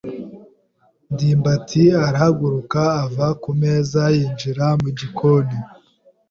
ndimbati arahaguruka ava ku meza yinjira mu gikoni.